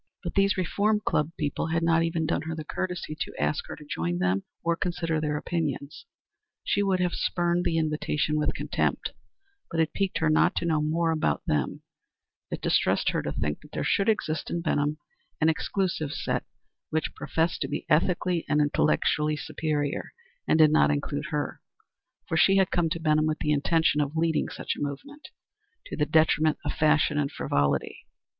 But these Reform Club people had not even done her the courtesy to ask her to join them or consider their opinions. She would have spurned the invitation with contempt, but it piqued her not to know more about them; it distressed her to think that there should exist in Benham an exclusive set which professed to be ethically and intellectually superior and did not include her, for she had come to Benham with the intention of leading such a movement, to the detriment of fashion and frivolity.